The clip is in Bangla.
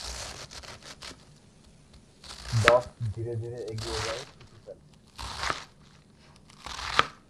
ডস ধীরে ধীরে এগিয়ে যায়, থুথু ফেলে।